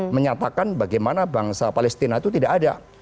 menyatakan bagaimana bangsa palestina itu tidak ada